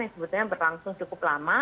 yang sebetulnya berlangsung cukup lama